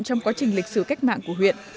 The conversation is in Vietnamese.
trong quá trình lịch sử cách mạng của huyện